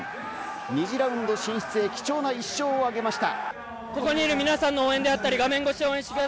２次ラウンド進出へ、貴重な１勝を挙げました。